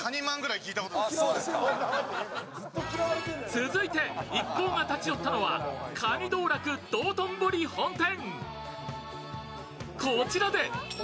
続いて一行が立ち寄ったのはかに道楽道頓堀本店。